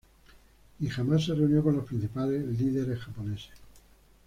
Ni jamás se reunió con los principales líderes japoneses.